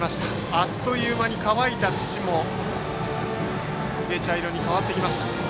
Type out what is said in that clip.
あっという間に乾いた土も、こげ茶色に変わってきました。